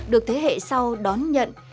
được thế hệ sau đón nhận